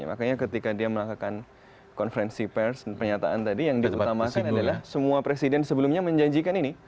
makanya ketika dia melakukan konferensi pers dan pernyataan tadi yang diutamakan adalah semua presiden sebelumnya menjanjikan ini